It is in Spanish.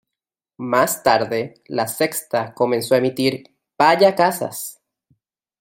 Más tarde, La Sexta comenzó a emitir "¡Vaya casas!